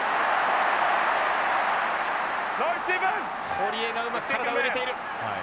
堀江がうまく体を入れている。